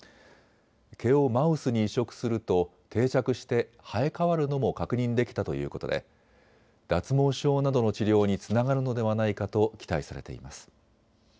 毛をマウスに移植すると定着して生え替わるのも確認できたということで脱毛症などの治療につながるのではないかと期待されています。